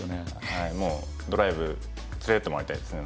はいもうドライブ連れてってもらいたいですね